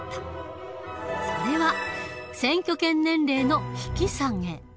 それは選挙権年齢の引き下げ。